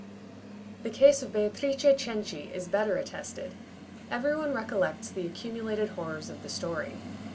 The case of Beatrice Cenci is better attested. Every one recollects the accumulated horrors of the story.